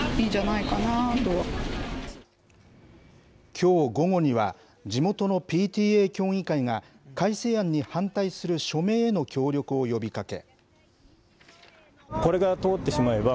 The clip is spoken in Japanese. きょう午後には、地元のＰＴＡ協議会が、改正案に反対する署名への協力を呼びかけ。